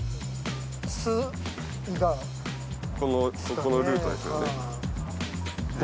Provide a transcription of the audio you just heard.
このルートですよね。